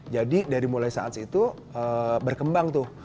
jadi dari mulai saat itu berkembang tuh